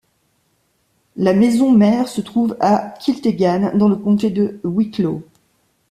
La maison mère se trouve à Kiltegan dans le comté de Wicklow.